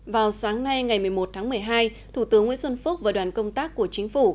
vào sáng nay ngày một mươi một tháng một mươi hai thủ tướng nguyễn xuân phúc và đoàn công tác của chính phủ